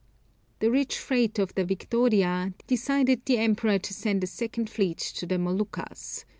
The rich freight of the Victoria, decided the Emperor to send a second fleet to the Moluccas.